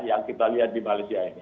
yang kita lihat di malaysia ini